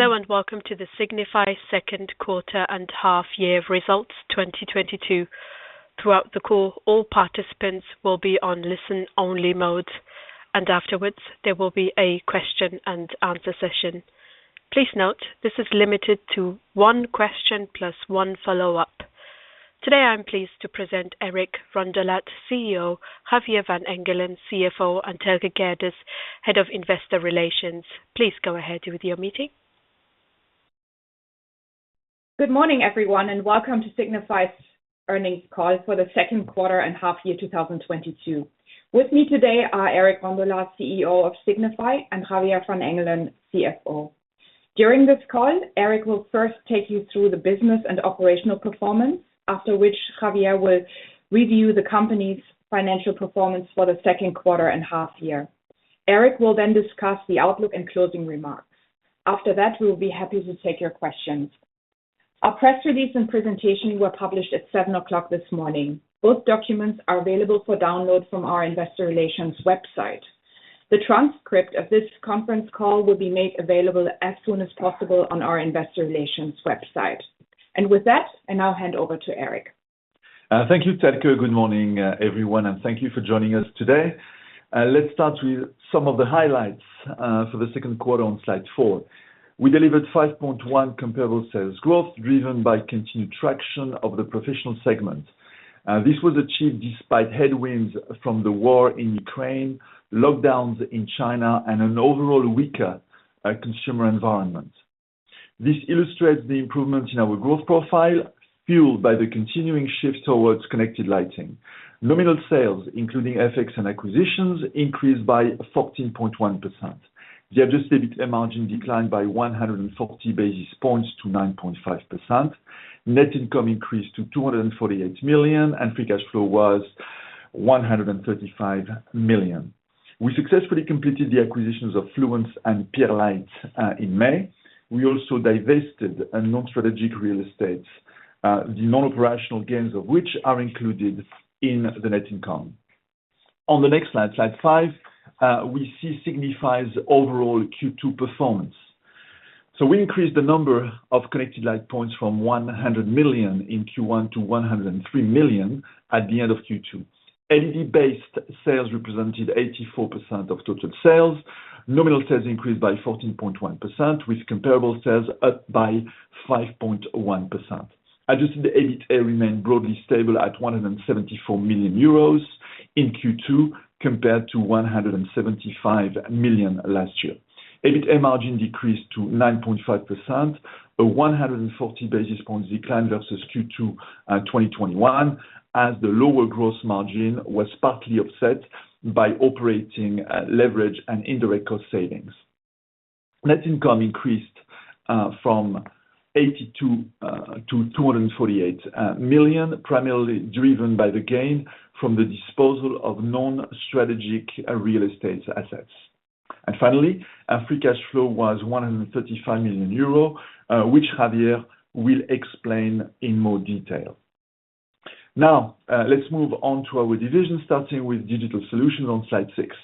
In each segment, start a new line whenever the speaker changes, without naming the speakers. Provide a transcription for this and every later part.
Hello and welcome to the Signify second quarter and half year results 2022. Throughout the call, all participants will be on listen only mode, and afterwards there will be a question and answer session. Please note this is limited to one question plus one follow-up. Today I am pleased to present Eric Rondolat, CEO, Javier van Engelen, CFO, and Thelke Gerdes, Head of Investor Relations. Please go ahead with your meeting.
Good morning everyone, and welcome to Signify's earnings call for the second quarter and half year 2022. With me today are Eric Rondolat, CEO of Signify, and Javier van Engelen, CFO. During this call, Eric will first take you through the business and operational performance, after which Javier will review the company's financial performance for the second quarter and half year. Eric will then discuss the outlook and closing remarks. After that, we will be happy to take your questions. Our press release and presentation were published at 7 o'clock this morning. Both documents are available for download from our investor relations website. The transcript of this conference call will be made available as soon as possible on our investor relations website. With that, I now hand over to Eric.
Thank you, Thelke. Good morning, everyone, and thank you for joining us today. Let's start with some of the highlights for the second quarter on slide 4. We delivered 5.1% comparable sales growth, driven by continued traction of the professional segment. This was achieved despite headwinds from the war in Ukraine, lockdowns in China and an overall weaker consumer environment. This illustrates the improvement in our growth profile, fueled by the continuing shift towards connected lighting. Nominal sales, including FX and acquisitions, increased by 14.1%. The adjusted EBITA margin declined by 140 basis points to 9.5%. Net income increased to 248 million, and free cash flow was 135 million. We successfully completed the acquisitions of Fluence and Pierlite in May. We also divested a non-strategic real estate, the non-operational gains of which are included in the net income. On the next slide five, we see Signify's overall Q2 performance. We increased the number of connected light points from 100 million in Q1 to 103 million at the end of Q2. LED-based sales represented 84% of total sales. Nominal sales increased by 14.1%, with comparable sales up by 5.1%. Adjusted EBITA remained broadly stable at 174 million euros in Q2 compared to 175 million last year. EBITA margin decreased to 9.5%, a 140 basis point decline versus Q2 2021, as the lower gross margin was partly offset by operating leverage and indirect cost savings. Net income increased from 82 million to 248 million, primarily driven by the gain from the disposal of non-strategic real estate assets. Finally, free cash flow was 135 million euro, which Javier will explain in more detail. Now, let's move on to our divisions, starting with Digital Solutions on slide 6.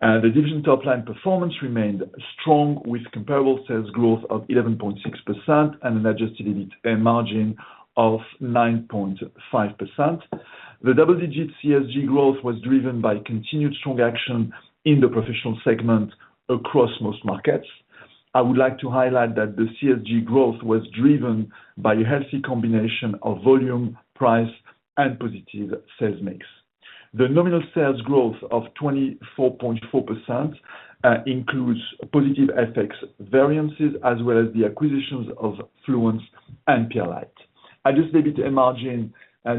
The division top line performance remained strong, with comparable sales growth of 11.6% and an adjusted EBITA margin of 9.5%. The double-digit CSG growth was driven by continued strong traction in the professional segment across most markets. I would like to highlight that the CSG growth was driven by a healthy combination of volume, price and positive sales mix. The nominal sales growth of 24.4% includes positive FX variances as well as the acquisitions of Fluence and Pierlite. Adjusted EBITA margin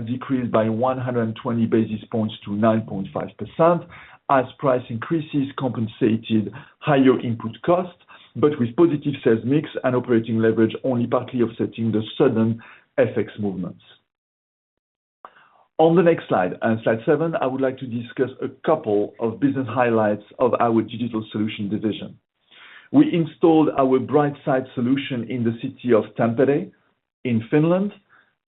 decreased by 120 basis points to 9.5% as price increases compensated higher input costs, but with positive sales mix and operating leverage only partly offsetting the sudden FX movements. On the next slide 7, I would like to discuss a couple of business highlights of our Digital Solutions division. We installed our BrightSites solution in the city of Tampere in Finland.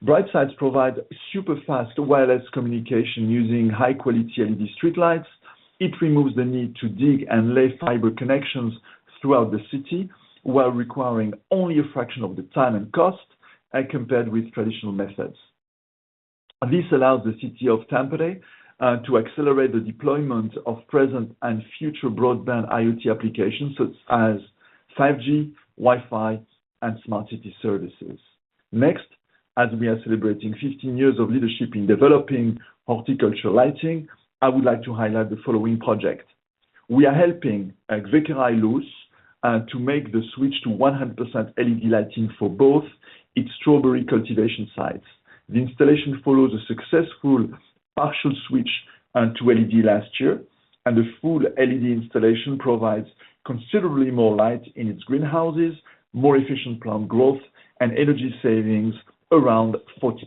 BrightSites provide super-fast wireless communication using high-quality LED streetlights. It removes the need to dig and lay fiber connections throughout the city, while requiring only a fraction of the time and cost compared with traditional methods. This allows the city of Tampere to accelerate the deployment of present and future broadband IoT applications, such as 5G, Wi-Fi and smart city services. Next, as we are celebrating 15 years of leadership in developing horticultural lighting, I would like to highlight the following project. We are helping Vikai Luos to make the switch to 100% LED lighting for both its strawberry cultivation sites. The installation follows a successful partial switch to LED last year, and the full LED installation provides considerably more light in its greenhouses, more efficient plant growth and energy savings around 40%.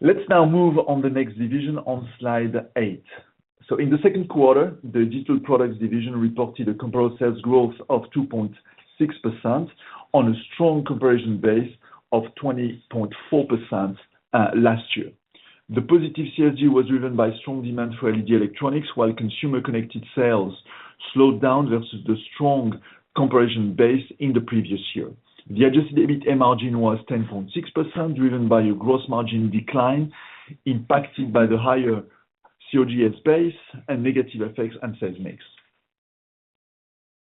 Let's now move on to the next division on slide 8. In the second quarter, the Digital Products division reported a comparable sales growth of 2.6% on a strong comparison base of 20.4% last year. The positive CSG was driven by strong demand for LED electronics, while consumer connected sales slowed down versus the strong comparison base in the previous year. The adjusted EBITA margin was 10.6%, driven by a gross margin decline impacted by the higher COGS base and negative effects and sales mix.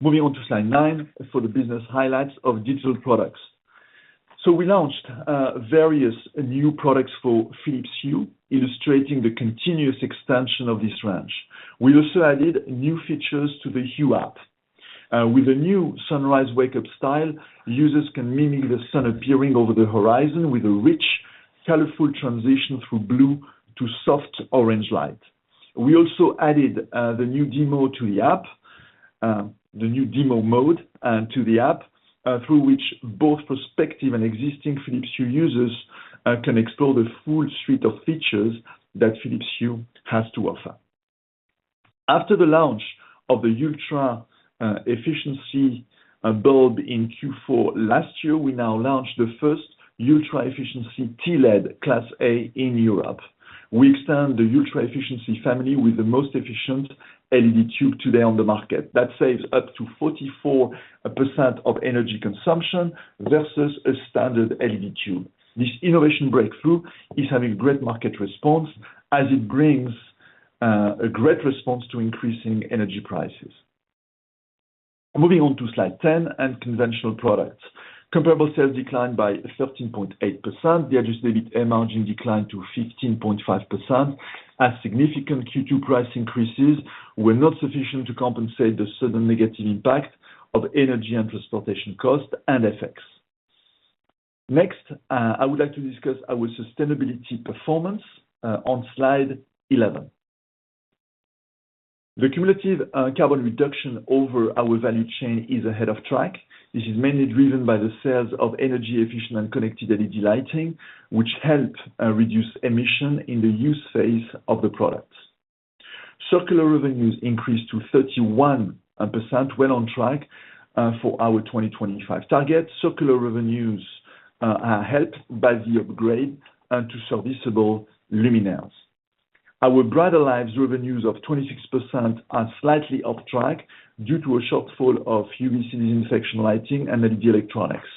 Moving on to slide 9 for the business highlights of digital products. We launched various new products for Philips Hue, illustrating the continuous expansion of this range. We also added new features to the Hue app. With a new sunrise wake-up style, users can mimic the sun appearing over the horizon with a rich, colorful transition from blue to soft orange light. We also added the new demo mode to the app through which both prospective and existing Philips Hue users can explore the full suite of features that Philips Hue has to offer. After the launch of the ultra efficiency bulb in Q4 last year, we now launched the first ultra-efficiency TLED class A in Europe. We extend the ultra-efficiency family with the most efficient LED tube today on the market. That saves up to 44% of energy consumption versus a standard LED tube. This innovation breakthrough is having great market response as it brings a great response to increasing energy prices. Moving on to slide 10 and conventional products. Comparable sales declined by 13.8%. The adjusted EBITA margin declined to 15.5% as significant Q2 price increases were not sufficient to compensate the sudden negative impact of energy and transportation costs and FX. Next, I would like to discuss our sustainability performance on slide 11. The cumulative carbon reduction over our value chain is ahead of track. This is mainly driven by the sales of energy efficient and connected LED lighting, which help reduce emission in the use phase of the products. Circular revenues increased to 31% well on track for our 2025 target. Circular revenues are helped by the upgrade to serviceable luminaires. Our brighter lives revenues of 26% are slightly off track due to a shortfall of UVC disinfection lighting and LED electronics.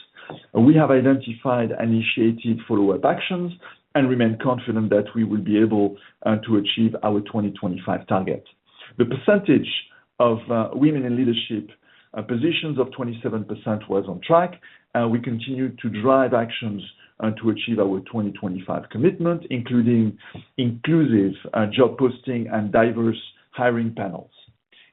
We have identified, initiated follow-up actions and remain confident that we will be able to achieve our 2025 target. The percentage of women in leadership positions of 27% was on track. We continue to drive actions to achieve our 2025 commitment, including inclusive job posting and diverse hiring panels.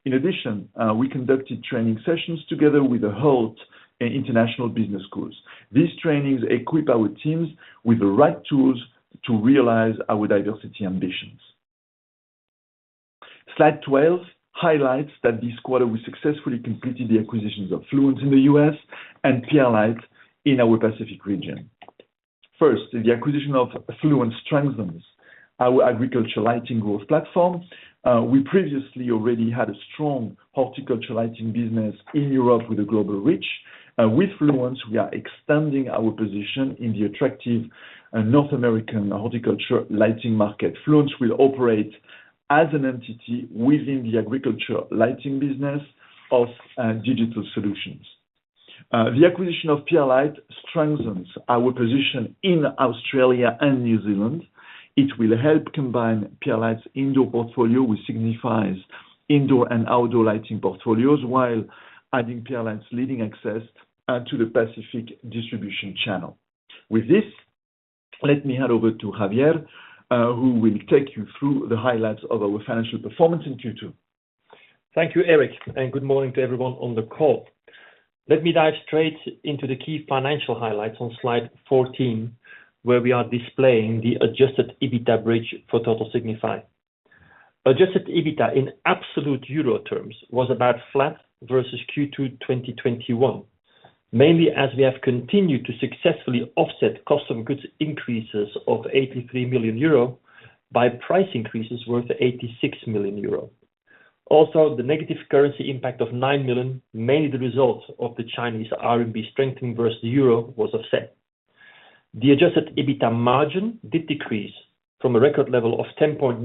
In addition, we conducted training sessions together with Hult International Business School. These trainings equip our teams with the right tools to realize our diversity ambitions. Slide 12 highlights that this quarter we successfully completed the acquisitions of Fluence in the U.S. and Pierlite in our Pacific region. First, the acquisition of Fluence strengthens our agriculture lighting growth platform. We previously already had a strong horticulture lighting business in Europe with a global reach. With Fluence, we are extending our position in the attractive North American horticulture lighting market. Fluence will operate as an entity within the agriculture lighting business of Digital Solutions. The acquisition of Pierlite strengthens our position in Australia and New Zealand. It will help combine Pierlite's indoor portfolio with Signify's indoor and outdoor lighting portfolios while adding Pierlite's leading access to the Pacific distribution channel. With this, let me hand over to Javier, who will take you through the highlights of our financial performance in Q2.
Thank you, Eric, and good morning to everyone on the call. Let me dive straight into the key financial highlights on slide 14, where we are displaying the adjusted EBITA bridge for Total Signify. Adjusted EBITA in absolute euro terms was about flat versus Q2 2021, mainly as we have continued to successfully offset cost of goods increases of 83 million euro by price increases worth 86 million euro. Also, the negative currency impact of 9 million, mainly the result of the Chinese RMB strengthening versus the euro, was offset. The adjusted EBITA margin did decrease from a record level of 10.9%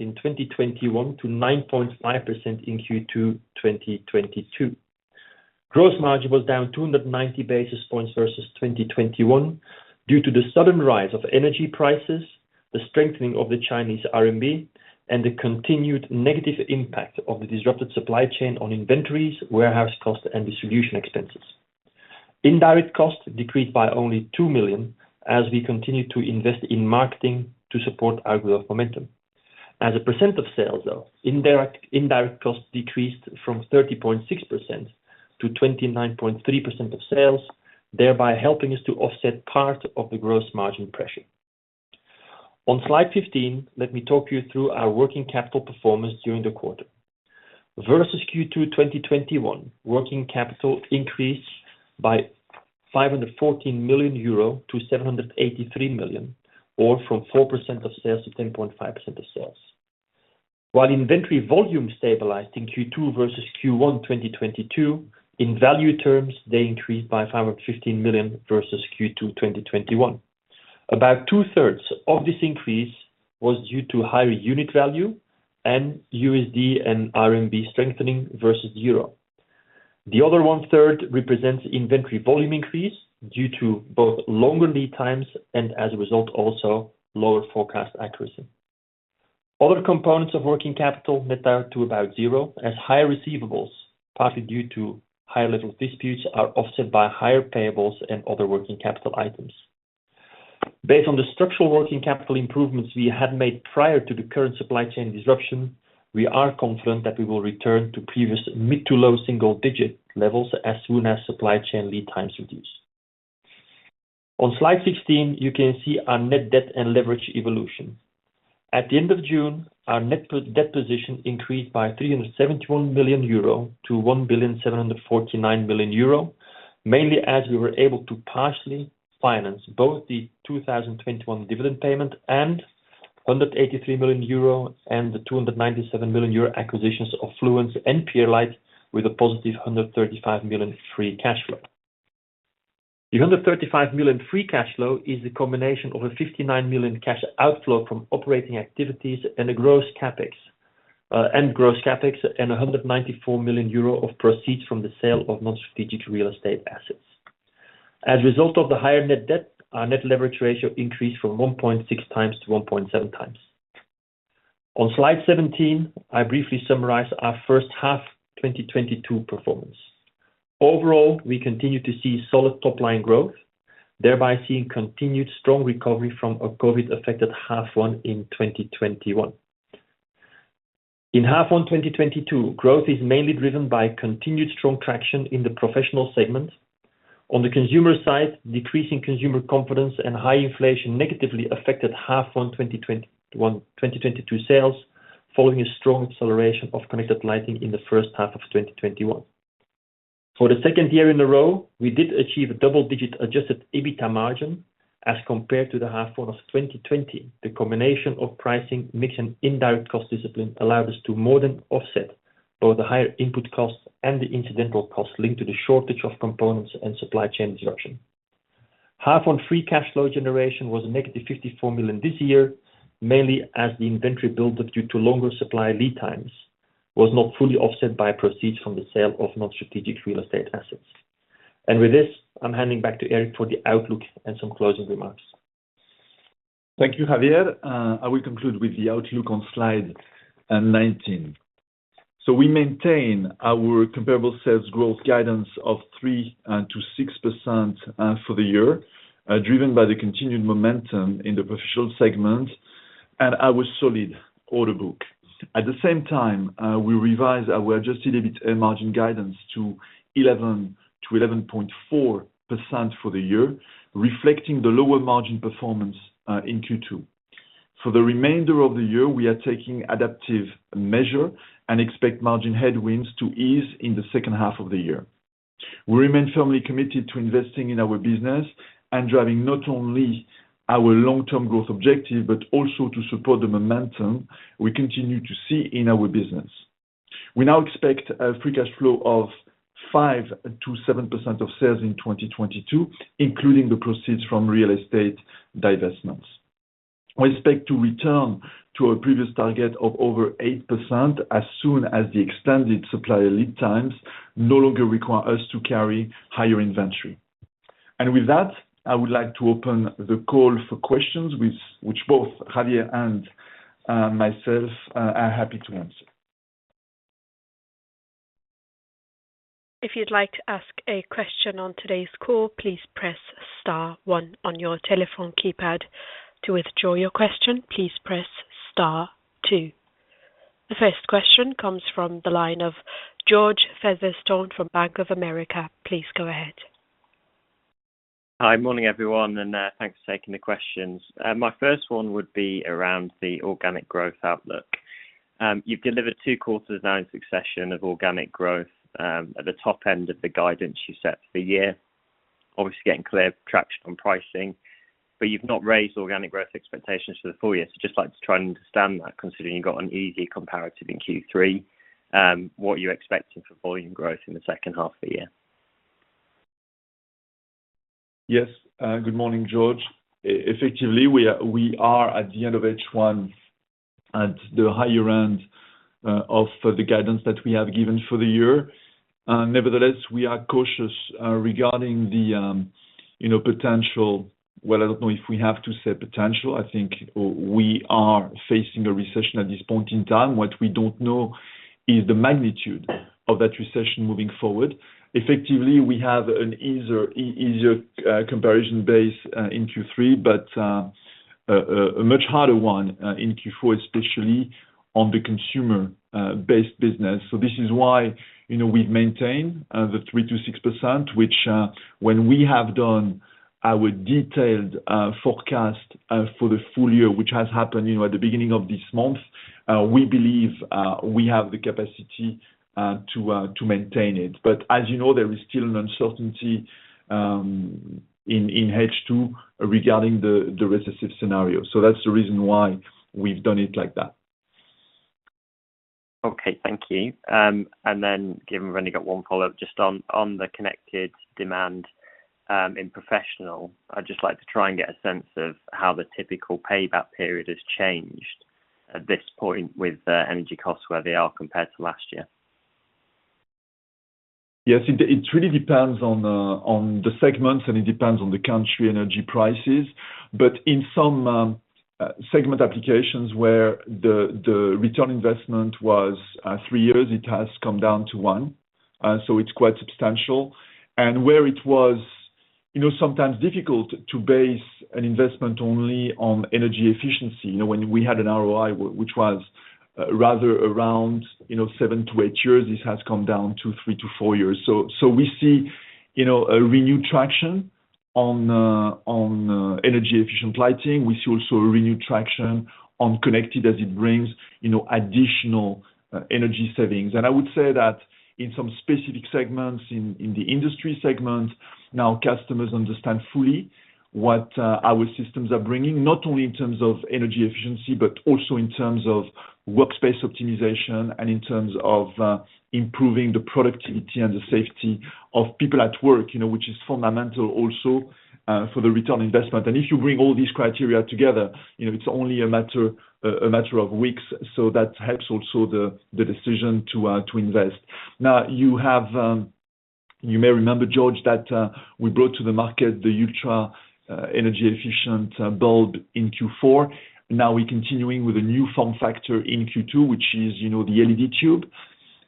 in 2021 to 9.5% in Q2 2022. Gross margin was down 290 basis points versus 2021 due to the sudden rise of energy prices, the strengthening of the Chinese RMB, and the continued negative impact of the disrupted supply chain on inventories, warehouse costs, and distribution expenses. Indirect costs decreased by only 2 million as we continued to invest in marketing to support our growth momentum. As a percent of sales, though, indirect costs decreased from 30.6% to 29.3% of sales, thereby helping us to offset part of the gross margin pressure. On slide 15, let me talk you through our working capital performance during the quarter. Versus Q2 2021, working capital increased by 514 million euro to 783 million, or from 4% of sales to 10.5% of sales. While inventory volume stabilized in Q2 versus Q1 2022, in value terms, they increased by 515 million versus Q2 2021. About two-thirds of this increase was due to higher unit value and USD and RMB strengthening versus euro. The other one-third represents inventory volume increase due to both longer lead times and as a result, also lower forecast accuracy. Other components of working capital net out to about zero as higher receivables, partly due to higher-level disputes, are offset by higher payables and other working capital items. Based on the structural working capital improvements we had made prior to the current supply chain disruption, we are confident that we will return to previous mid- to low single-digit levels as soon as supply chain lead times reduce. On slide 16, you can see our net debt and leverage evolution. At the end of June, our net debt position increased by 371 million euro to 1,749 million euro, mainly as we were able to partially finance both the 2021 dividend payment and 183 million euro and the 297 million euro acquisitions of Fluence and Pierlite with a positive 135 million free cash flow. The 135 million free cash flow is the combination of a 59 million cash outflow from operating activities and a gross CapEx and a 194 million euro of proceeds from the sale of non-strategic real estate assets. As a result of the higher net debt, our net leverage ratio increased from 1.6 times to 1.7 times. On slide 17, I briefly summarize our first half 2022 performance. Overall, we continue to see solid top line growth, thereby seeing continued strong recovery from a COVID-affected half one in 2021. In half one 2022, growth is mainly driven by continued strong traction in the professional segment. On the consumer side, decreasing consumer confidence and high inflation negatively affected H1 2022 sales, following a strong acceleration of connected lighting in the first half of 2021. For the second year in a row, we did achieve a double-digit Adjusted EBITA margin as compared to the H1 of 2020. The combination of pricing, mix, and indirect cost discipline allowed us to more than offset both the higher input costs and the incidental costs linked to the shortage of components and supply chain disruption. H1 free cash flow generation was -54 million this year, mainly as the inventory buildup due to longer supply lead times was not fully offset by proceeds from the sale of non-strategic real estate assets. With this, I'm handing back to Eric for the outlook and some closing remarks.
Thank you, Javier. I will conclude with the outlook on slide 19. We maintain our comparable sales growth guidance of 3%-6% for the year, driven by the continued momentum in the professional segment and our solid order book. At the same time, we revise our adjusted EBITA margin guidance to 11%-11.4% for the year, reflecting the lower margin performance in Q2. For the remainder of the year, we are taking adaptive measure and expect margin headwinds to ease in the second half of the year. We remain firmly committed to investing in our business and driving not only our long-term growth objective, but also to support the momentum we continue to see in our business. We now expect a free cash flow of 5%-7% of sales in 2022, including the proceeds from real estate divestments. We expect to return to our previous target of over 8% as soon as the extended supplier lead times no longer require us to carry higher inventory. With that, I would like to open the call for questions with which both Javier and myself are happy to answer.
If you'd like to ask a question on today's call, please press star one on your telephone keypad. To withdraw your question, please press star two. The first question comes from the line of George Featherstone from Bank of America. Please go ahead.
Hi. Morning, everyone, and thanks for taking the questions. My first one would be around the organic growth outlook. You've delivered two quarters now in succession of organic growth at the top end of the guidance you set for the year, obviously getting clear traction on pricing, but you've not raised organic growth expectations for the full year. Just like to try and understand that, considering you've got an easy comparative in Q3, what you're expecting for volume growth in the second half of the year.
Yes. Good morning, George. Effectively, we are at the end of H1 at the higher end of the guidance that we have given for the year. Nevertheless, we are cautious regarding the potential. Well, I don't know if we have to say potential. I think we are facing a recession at this point in time. What we don't know is the magnitude of that recession moving forward. Effectively, we have an easier comparison base in Q3, but a much harder one in Q4, especially on the consumer-based business. This is why we've maintained the 3%-6%, which, when we have done our detailed forecast for the full year, which has happened at the beginning of this month, we believe we have the capacity to maintain it. As you know, there is still an uncertainty in H2 regarding the recession scenario. That's the reason why we've done it like that.
Okay, thank you. Given I've only got one follow-up, just on the connected demand in professional, I'd just like to try and get a sense of how the typical payback period has changed at this point with the energy costs where they are compared to last year.
Yes. It really depends on the segments, and it depends on the country energy prices. In some segment applications where the return on investment was three years, it has come down to one. It's quite substantial. Where it was sometimes difficult to base an investment only on energy efficiency. You know, when we had an ROI which was rather around seven to eight years, this has come down to three to four years. We see a renewed traction on energy efficient lighting. We see also a renewed traction on connected as it brings additional energy savings. I would say that in some specific segments, in the industry segments, now customers understand fully what our systems are bringing, not only in terms of energy efficiency, but also in terms of workspace optimization and in terms of improving the productivity and the safety of people at work which is fundamental also for the return on investment. If you bring all these criteria together it's only a matter of weeks, so that helps also the decision to invest. Now, you have. You may remember, George, that we brought to the market the ultra energy efficient bulb in Q4. Now we're continuing with a new form factor in Q2, which is the LED tube,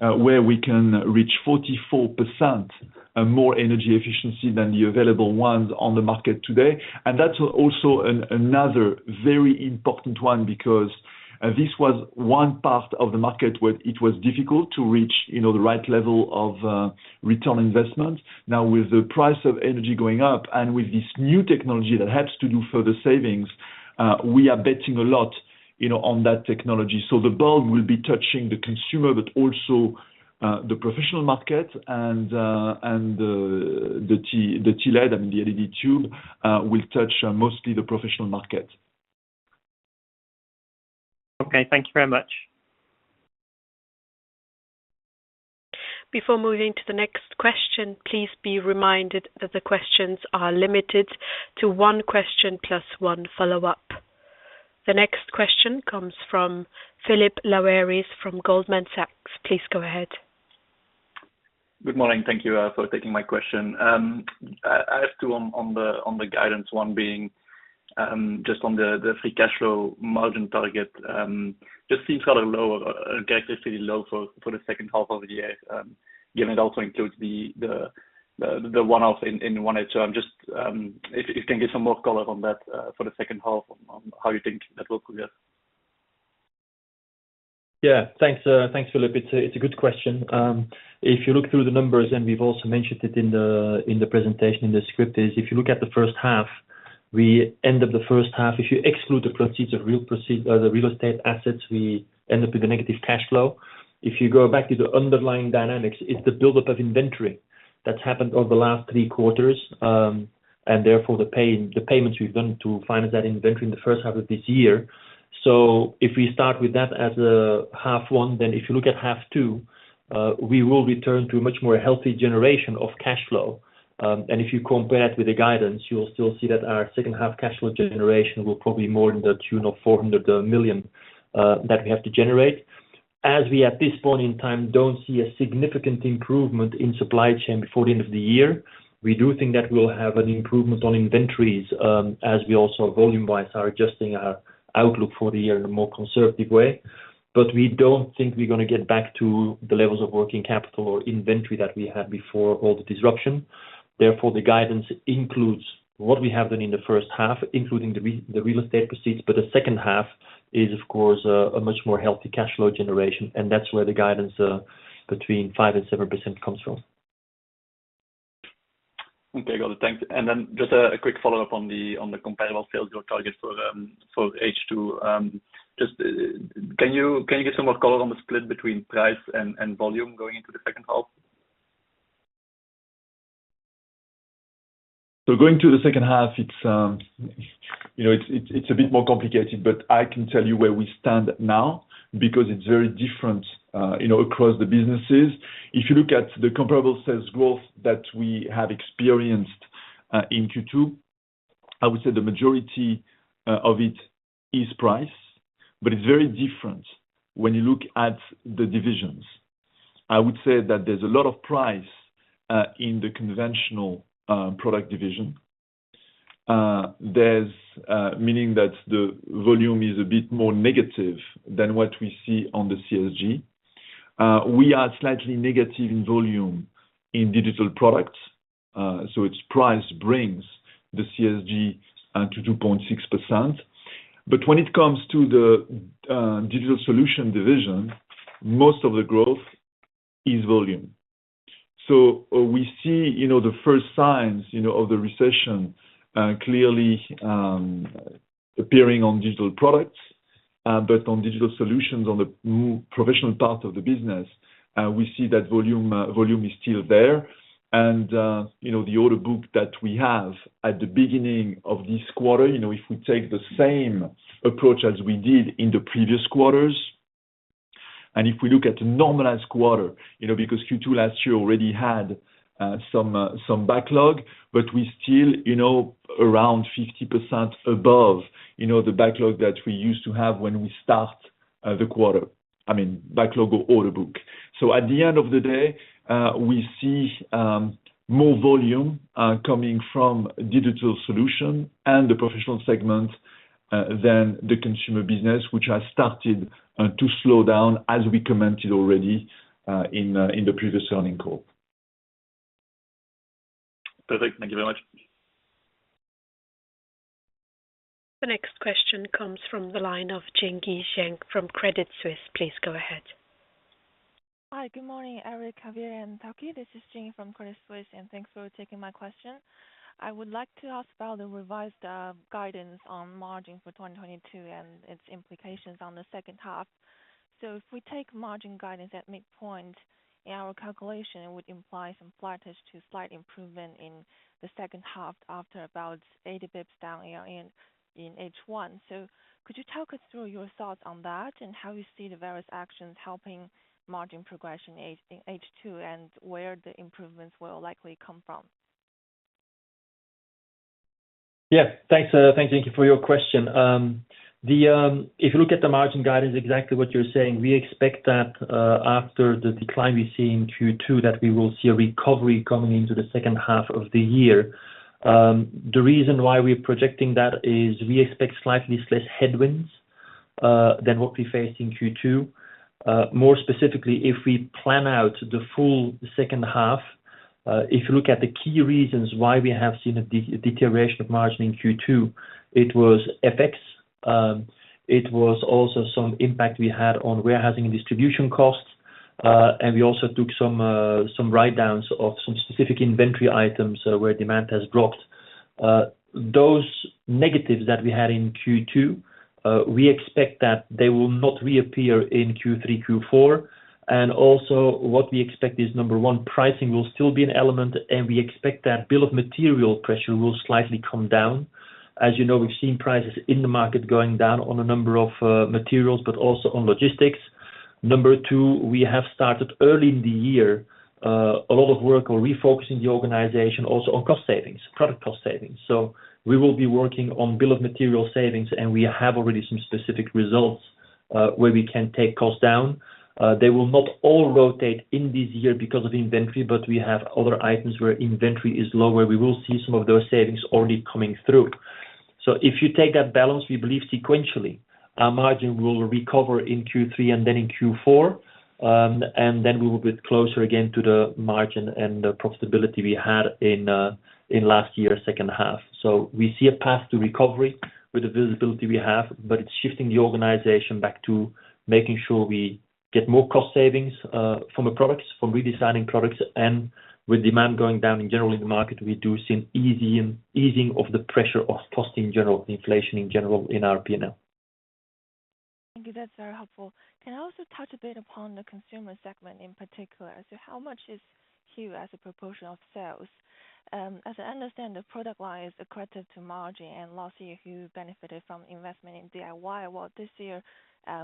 where we can reach 44% more energy efficiency than the available ones on the market today. That's also another very important one because this was one part of the market where it was difficult to reach the right level of return on investment. Now, with the price of energy going up and with this new technology that helps to do further savings, we are betting a lot on that technology. The bulb will be touching the consumer, but also the professional market and the TLED and the LED tube will touch mostly the professional market.
Okay. Thank you very much.
Before moving to the next question, please be reminded that the questions are limited to one question plus one follow-up. The next question comes from Philip Lawlor from Goldman Sachs. Please go ahead.
Good morning. Thank you for taking my question. I have two on the guidance, one being just on the free cash flow margin target. Just seems kind of low, characteristically low for the second half of the year, given it also includes the one-off in one H. If you can give some more color on that for the second half on how you think that will progress.
Yeah. Thanks, thanks, Philip. It's a good question. If you look through the numbers, and we've also mentioned it in the presentation, in the script, if you look at the first half, we end up the first half. If you exclude the proceeds of real estate assets, we end up with a negative cash flow. If you go back to the underlying dynamics, it's the buildup of inventory that's happened over the last three quarters, and therefore the payments we've done to finance that inventory in the first half of this year. If we start with that as half one, then if you look at half two, we will return to a much more healthy generation of cash flow. If you compare it with the guidance, you will still see that our second half cash flow generation will probably more than to the tune of 400 million that we have to generate. At this point in time, we don't see a significant improvement in supply chain before the end of the year, we do think that we'll have an improvement on inventories, as we also volume-wise are adjusting our outlook for the year in a more conservative way. We don't think we're gonna get back to the levels of working capital or inventory that we had before all the disruption. Therefore, the guidance includes what we have done in the first half, including the real estate proceeds, but the second half is of course a much more healthy cash flow generation, and that's where the guidance between 5% and 7% comes from.
Okay. Got it. Thanks. Just a quick follow-up on the comparable sales growth target for H2. Just, can you give some more color on the split between price and volume going into the second half?
Going to the second half it's a bit more complicated, but I can tell you where we stand now because it's very different across the businesses. If you look at the comparable sales growth that we have experienced in Q2, I would say the majority of it is price, but it's very different when you look at the divisions. I would say that there's a lot of price in the Consumer Products division, meaning that the volume is a bit more negative than what we see on the CSG. We are slightly negative in volume in Digital Products, so its price brings the CSG to 2.6%. When it comes to the Digital Solutions division, most of the growth is volume. We see the first signs of the recession clearly appearing on Digital Products. But on Digital Solutions on the professional part of the business, we see that volume is still there. You know, the order book that we have at the beginning of this quarter if we take the same approach as we did in the previous quarters, and if we look at the normalized quarter because Q2 last year already had some backlog, but we still around 50% above the backlog that we used to have when we start the quarter. I mean, backlog order book. At the end of the day, we see more volume coming from Digital Solutions and the professional segment than the consumer business, which has started to slow down as we commented already in the previous earnings call.
Perfect. Thank you very much.
The next question comes from the line of Jingyi Zheng from Credit Suisse. Please go ahead.
Hi. Good morning, Eric, Javier, and Theke. This is Jingyi from Credit Suisse, and thanks for taking my question. I would like to ask about the revised guidance on margin for 2022 and its implications on the second half. If we take margin guidance at midpoint, our calculation would imply some flatness to slight improvement in the second half after about 80 basis points down year-to-date in H1. Could you talk us through your thoughts on that and how you see the various actions helping margin progression in H2, and where the improvements will likely come from?
Yeah. Thanks, thank you for your question. If you look at the margin guidance, exactly what you're saying, we expect that, after the decline we see in Q2, that we will see a recovery coming into the second half of the year. The reason why we're projecting that is we expect slightly less headwinds than what we faced in Q2. More specifically, if we plan out the full second half, if you look at the key reasons why we have seen a deterioration of margin in Q2, it was FX. It was also some impact we had on warehousing and distribution costs. We also took some write-downs of some specific inventory items where demand has dropped. Those negatives that we had in Q2, we expect that they will not reappear in Q3, Q4. What we expect is, number one, pricing will still be an element, and we expect that bill of material pressure will slightly come down. As you know, we've seen prices in the market going down on a number of materials, but also on logistics. Number two, we have started early in the year a lot of work on refocusing the organization also on cost savings, product cost savings. So we will be working on bill of material savings, and we have already some specific results where we can take costs down. They will not all rotate in this year because of inventory, but we have other items where inventory is lower. We will see some of those savings already coming through. If you take that balance, we believe sequentially, our margin will recover in Q3 and then in Q4, and then we will be closer again to the margin and the profitability we had in last year, second half. We see a path to recovery with the visibility we have, but it's shifting the organization back to making sure we get more cost savings from the products, from redesigning products. With demand going down in general in the market, we do see an easing of the pressure of cost in general, inflation in general in our P&L.
Thank you. That's very helpful. Can I also touch a bit upon the consumer segment in particular? How much is Hue as a proportion of sales? As I understand, the product line is accretive to margin, and last year, Hue benefited from investment in DIY. This year,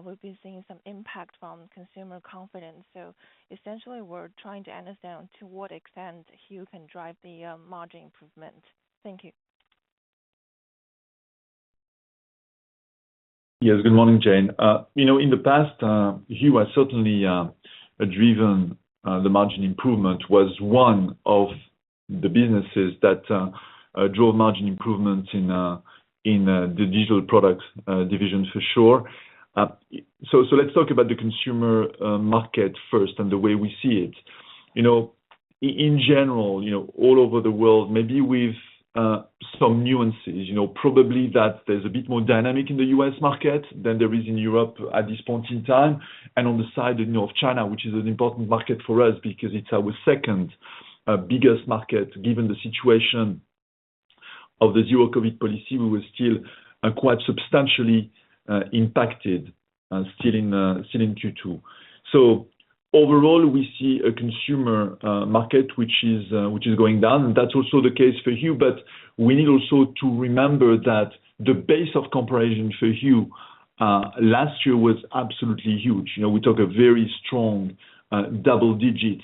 we'll be seeing some impact from consumer confidence. Essentially we're trying to understand to what extent Hue can drive the margin improvement. Thank you.
Yes. Good morning, Jingyi. You know, in the past, Hue was certainly a driver in the margin improvement was one of the businesses that drove margin improvements in the digital products division for sure. So let's talk about the consumer market first and the way we see it. You know, in general all over the world, maybe with some nuances probably that there's a bit more dynamic in the U.S. market than there is in Europe at this point in time. On the side of North China, which is an important market for us because it's our second biggest market. Given the situation of the zero COVID policy, we were still quite substantially impacted still in Q2. Overall, we see a consumer market which is going down, and that's also the case for Hue. We need also to remember that the base of comparison for Hue last year was absolutely huge. You know, we had a very strong double-digit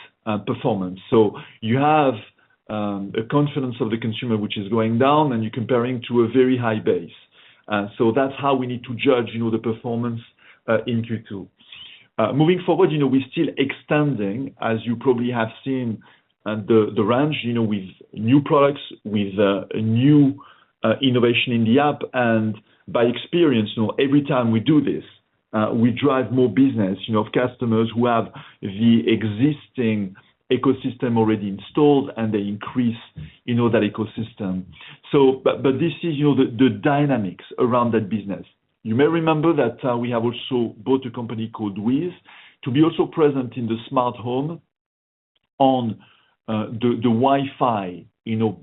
performance. You have consumer confidence, which is going down, and you're comparing to a very high base. That's how we need to judge the performance in Q2. Moving forward we're still extending, as you probably have seen, the range with new products, with new innovation in the app. By experience every time we do this, we drive more business of customers who have the existing ecosystem already installed, and they increase that ecosystem. But this is the dynamics around that business. You may remember that, we have also bought a company called WiZ to be also present in the smart home
On the WiZ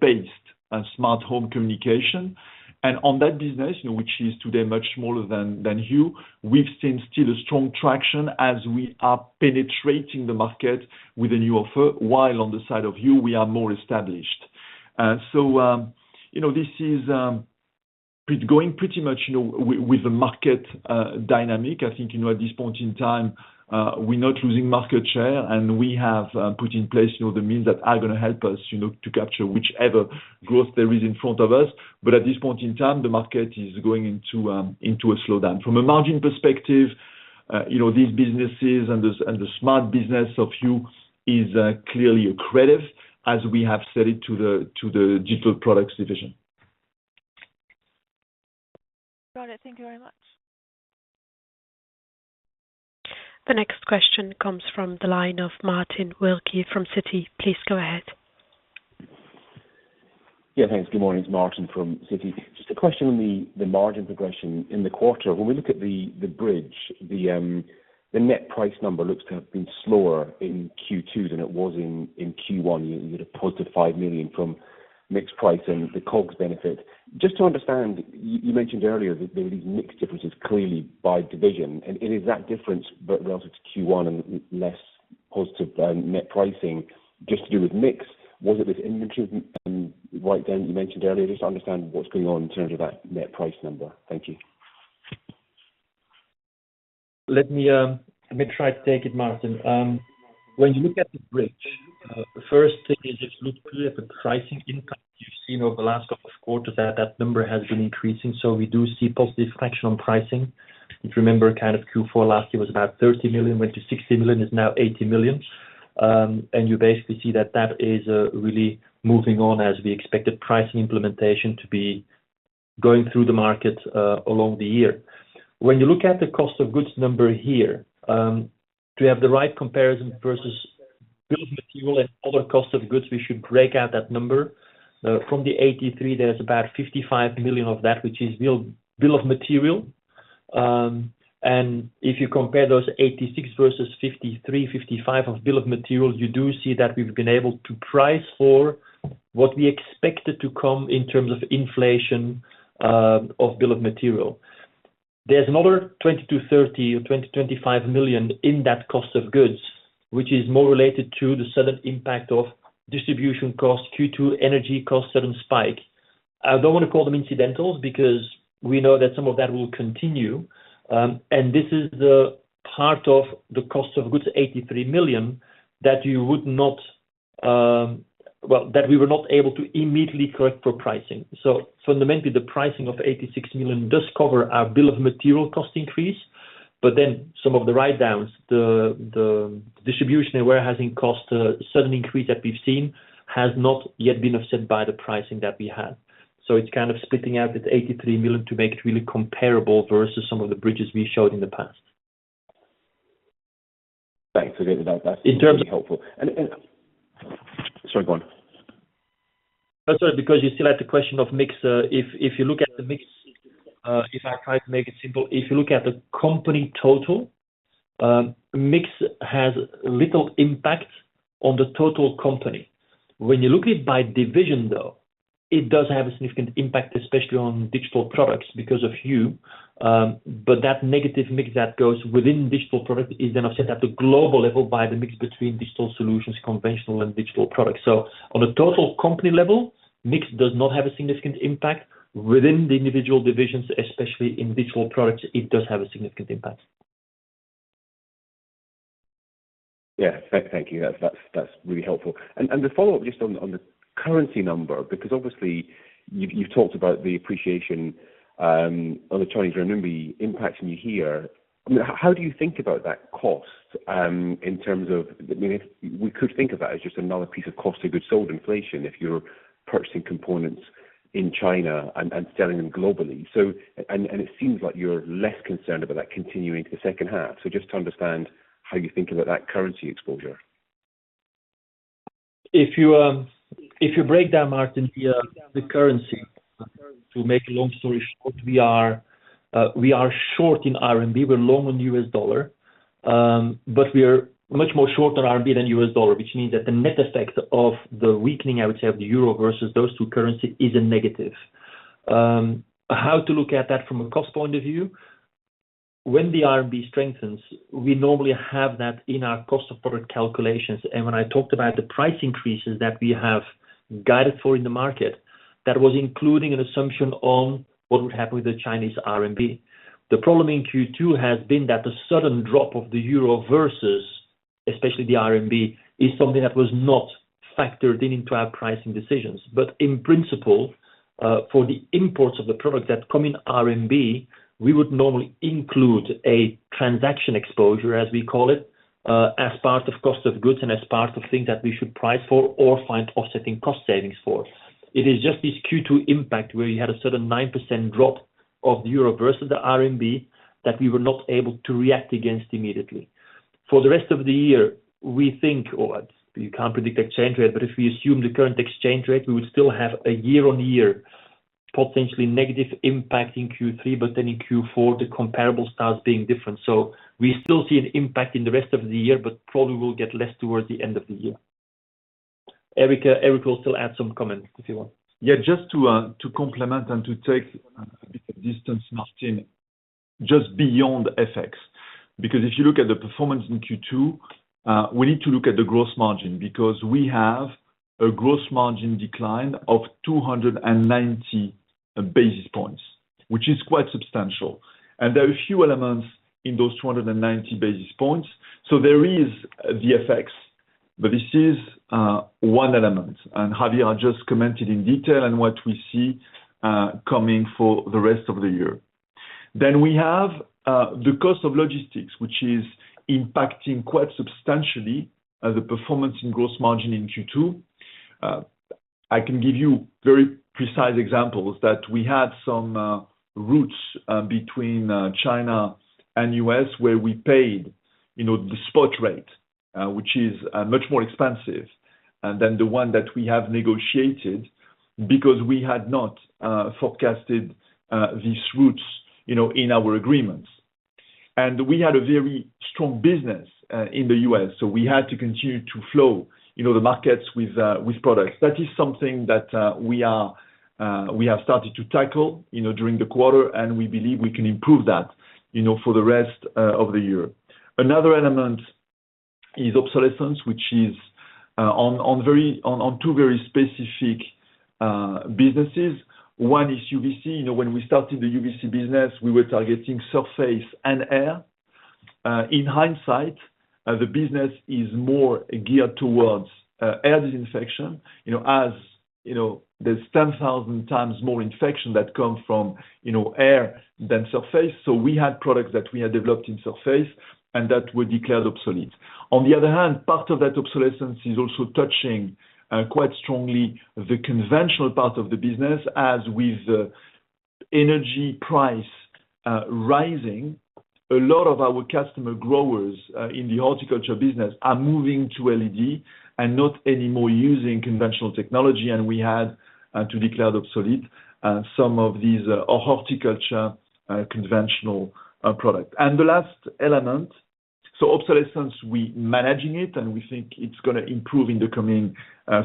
based on smart home communication. On that business which is today much smaller than Hue, we've seen still a strong traction as we are penetrating the market with a new offer, while on the side of Hue, we are more established. It's going pretty much with the market dynamics. I think at this point in time, we're not losing market share, and we have put in place the means that are gonna help us to capture whichever growth there is in front of us. At this point in time, the market is going into a slowdown. From a margin perspective these businesses and the smart business of Hue is clearly accretive as we have set it to the Digital Products division.
Got it. Thank you very much.
The next question comes from the line of Martin Wilkie from Citi. Please go ahead.
Yeah. Thanks. Good morning. It's Martin Wilkie from Citi. Just a question on the margin progression in the quarter. When we look at the bridge, the net price number looks to have been slower in Q2 than it was in Q1. You had a positive 5 million from mix pricing, the COGS benefit. Just to understand, you mentioned earlier that there are these mix differences clearly by division, and it is that difference, but relative to Q1 and less positive than net pricing just to do with mix. Was it this inventory write-down you mentioned earlier? Just to understand what's going on in terms of that net price number. Thank you.
Let me try to take it, Martin. When you look at the bridge, the first thing is if you look here at the pricing income, you've seen over the last couple of quarters that that number has been increasing, so we do see positive traction on pricing. If you remember, kind of Q4 last year was about 30 million, went to 60 million, is now 80 million. You basically see that that is really moving on as we expected pricing implementation to be going through the market, along the year. When you look at the cost of goods number here, to have the right comparison versus bill of material and other cost of goods, we should break out that number. From the 83, there's about 55 million of that, which is bill of material. If you compare those 86 million versus 53-55 million of bill of materials, you do see that we've been able to price for what we expected to come in terms of inflation of bill of material. There's another 20-30 million or 25 million in that cost of goods, which is more related to the sudden impact of distribution costs due to energy costs sudden spike. I don't wanna call them incidentals because we know that some of that will continue, and this is the part of the cost of goods, 83 million that we were not able to immediately correct for pricing. Fundamentally, the pricing of 86 million does cover our bill of material cost increase, but then some of the write-downs, the distribution and warehousing cost sudden increase that we've seen has not yet been offset by the pricing that we have. It's kind of splitting out that 83 million to make it really comparable versus some of the bridges we showed in the past.
Thanks for giving that. Really helpful. Sorry, go on.
That's all right, because you still had the question of mix. If you look at the mix, if I try to make it simple. If you look at the company total, mix has little impact on the total company. When you look at it by division, though, it does have a significant impact, especially on Digital Products because of you. But that negative mix that goes within Digital Products is then offset at the global level by the mix between Digital Solutions, conventional, and Digital Products. On a total company level, mix does not have a significant impact. Within the individual divisions, especially in Digital Products, it does have a significant impact.
Yeah. Thank you. That's really helpful. To follow up just on the currency number, because obviously you've talked about the appreciation on the Chinese renminbi impacting you here. I mean, how do you think about that cost in terms of I mean, if we could think of that as just another piece of cost of goods sold inflation if you're purchasing components in China and selling them globally. It seems like you're less concerned about that continuing to the second half. Just to understand how you think about that currency exposure.
If you break down, Martin, the currency, to make a long story short, we are short in RMB, we're long on US dollar, but we are much more short on RMB than US dollar, which means that the net effect of the weakening, I would say, of the euro versus those two currency is a negative. How to look at that from a cost point of view? When the RMB strengthens, we normally have that in our cost of product calculations. When I talked about the price increases that we have guided for in the market, that was including an assumption on what would happen with the Chinese RMB. The problem in Q2 has been that the sudden drop of the euro versus, especially the RMB, is something that was not factored in into our pricing decisions. In principle, for the imports of the products that come in RMB, we would normally include a transaction exposure, as we call it, as part of cost of goods and as part of things that we should price for or find offsetting cost savings for. It is just this Q2 impact where you had a sudden 9% drop of the euro versus the RMB that we were not able to react against immediately. For the rest of the year, we think, or you can't predict exchange rate, but if we assume the current exchange rate, we would still have a year-on-year potentially negative impact in Q3, but then in Q4, the comparable starts being different. We still see an impact in the rest of the year, but probably will get less towards the end of the year. Eric will still add some comments if you want.
Yeah, just to complement and to take a bit of distance, Martin, just beyond FX, because if you look at the performance in Q2, we need to look at the gross margin because we have a gross margin decline of 290 basis points, which is quite substantial. There are a few elements in those 290 basis points. There is the FX, but this is one element. Javier just commented in detail on what we see coming for the rest of the year. We have the cost of logistics, which is impacting quite substantially the performance in gross margin in Q2. I can give you very precise examples that we had some routes between China and U.S. where we paid the spot rate, which is much more expensive than the one that we have negotiated because we had not forecasted these routes in our agreements. We had a very strong business in the U.S., so we had to continue to flow the markets with products. That is something that we have started to tackle during the quarter, and we believe we can improve that for the rest of the year. Another element is obsolescence, which is on two very specific businesses. One is UV-C. You know, when we started the UV-C business, we were targeting surface and air. In hindsight, the business is more geared towards air disinfection. You know, as you know, there's 10,000 times more infection that come from air than surface. We had products that we had developed in surface and that were declared obsolete. On the other hand, part of that obsolescence is also touching quite strongly the conventional part of the business. As with energy price rising, a lot of our customer growers in the horticulture business are moving to LED and not anymore using conventional technology. We had to declare obsolete some of these horticulture conventional product. The last element. Obsolescence, we managing it, and we think it's gonna improve in the coming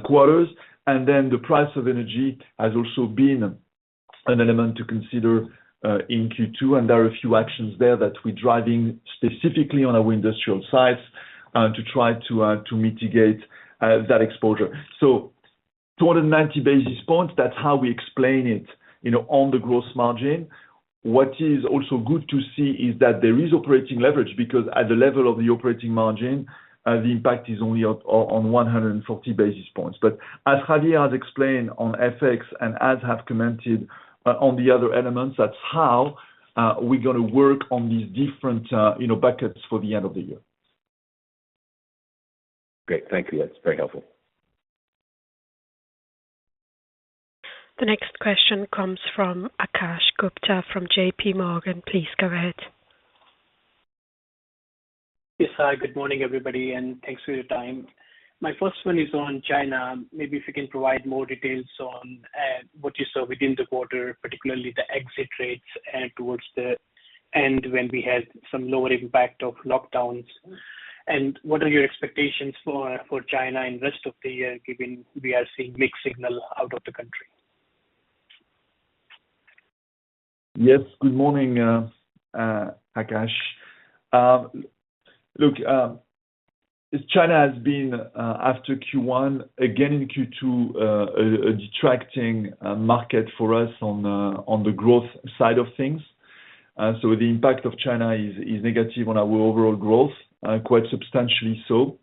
quarters. Then the price of energy has also been an element to consider in Q2, and there are a few actions there that we're driving specifically on our industrial sites to try to mitigate that exposure. Two hundred and ninety basis points, that's how we explain it on the gross margin. What is also good to see is that there is operating leverage because at the level of the operating margin the impact is only on 140 basis points. As Javier has explained on FX and as I have commented on the other elements, that's how we're gonna work on these different buckets for the end of the year.
Great. Thank you. That's very helpful.
The next question comes from Akash Gupta from JPMorgan. Please go ahead.
Yes. Good morning, everybody, and thanks for your time. My first one is on China. Maybe if you can provide more details on what you saw within the quarter, particularly the exit rates towards the end when we had some lower impact of lockdowns. What are your expectations for China in rest of the year, given we are seeing mixed signals out of the country?
Yes, good morning, Akash. Look, China has been, after Q1, again in Q2, a detracting market for us on the growth side of things. The impact of China is negative on our overall growth, quite substantially so.